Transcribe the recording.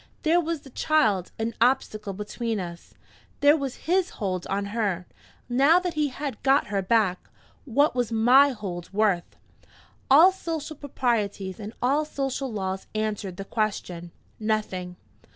There was the child, an obstacle between us there was his hold on her, now that he had got her back! What was my hold worth? All social proprieties and all social laws answered the question: Nothing!